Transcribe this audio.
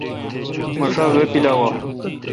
مہ شا وہ پلاوہ۔